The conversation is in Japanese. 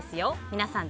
皆さん